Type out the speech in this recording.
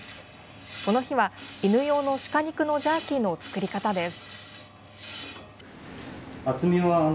この日は犬用の鹿肉のジャーキーの作り方です。